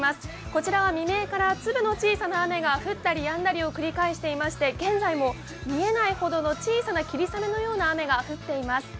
こちらは未明から粒の小さな雨が降ったりやんだりを繰り返していまして現在も、見えないほどの小さな霧雨のような雨が降っています。